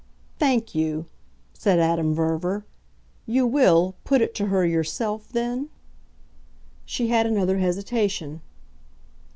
"Thank you," said Adam Verver. "You WILL put it to her yourself then?" She had another hesitation.